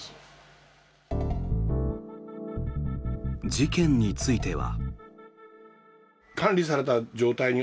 事件については。